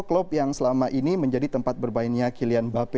klub yang selama ini menjadi tempat bermainnya kylian mbappe